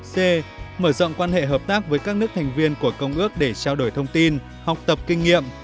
c mở rộng quan hệ hợp tác với các nước thành viên của công ước để trao đổi thông tin học tập kinh nghiệm